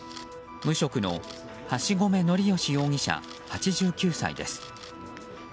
無職の枦込憲好容疑者、８９歳です。